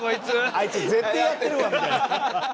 あいつ絶対やってるわみたいな。